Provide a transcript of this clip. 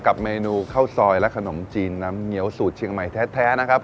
กับเมนูข้าวซอยและขนมจีนน้ำเงี้ยวสูตรเชียงใหม่แท้นะครับ